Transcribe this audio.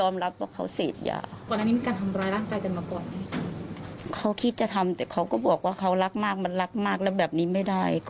มันรักมากมันรักมากแล้วแบบนี้ไม่ได้